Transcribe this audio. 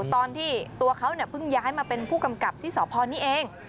ตอนที่ตัวเขาเพิ่งย้ายมาเป็นผู้กำกับที่สพนี้เอง